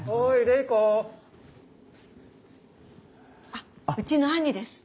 あっうちの兄です。